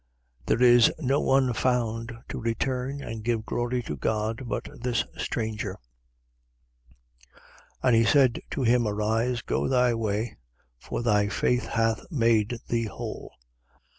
17:18. There is no one found to return and give glory to God, but this stranger. 17:19. And he said to him: Arise, go thy way; for thy faith hath made thee whole.